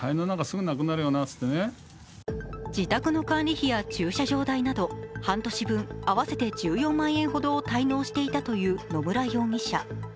自宅の管理費や駐車場代など、半年分合わせて１４万円ほどを滞納していたという野村容疑者。